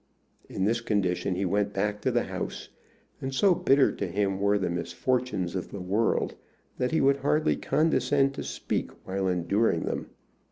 In this condition he went back to the house, and so bitter to him were the misfortunes of the world that he would hardly condescend to speak while enduring them.